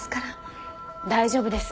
大丈夫です。